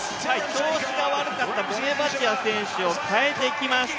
調子が悪かったボネバチア選手をかえてきました。